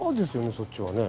そっちはね。